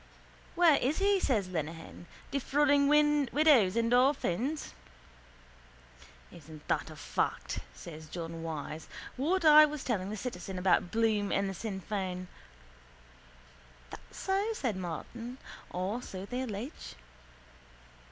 —Where is he? says Lenehan. Defrauding widows and orphans. —Isn't that a fact, says John Wyse, what I was telling the citizen about Bloom and the Sinn Fein? —That's so, says Martin. Or so they allege.